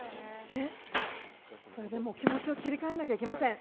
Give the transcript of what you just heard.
それで気持ちを切り替えなければなりません。